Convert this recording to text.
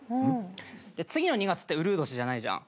で次の２月ってうるう年じゃないじゃん。